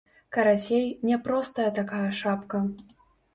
Карацей, няпростая такая шапка.